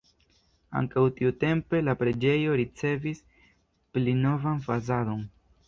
Ankaŭ tiutempe la preĝejo ricevis pli novan fasadon.